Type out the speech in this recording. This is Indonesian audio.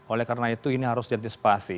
oleh karena itu ini harus diantisipasi